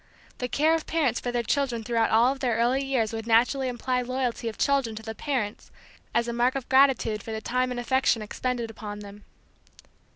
The care of parents for their children throughout all of their early years would naturally imply loyalty of children to the parents as a mark of gratitude for the time and affection expended upon them.